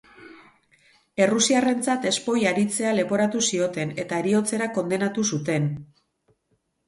Errusiarrentzat espoi aritzea leporatu zioten eta heriotzera kondenatu zuten.